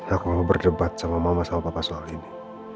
aku mau berdebat sama mama sama papa soal ini